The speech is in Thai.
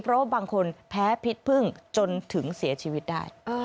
เพราะบางคนแพ้พิษพึ่งจนถึงเสียชีวิตได้